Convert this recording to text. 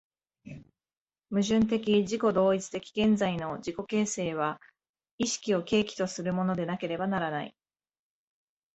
矛盾的自己同一的現在の自己形成は意識を契機とするものでなければならない。